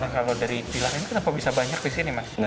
kalau dari pilar ini kenapa bisa banyak di sini mas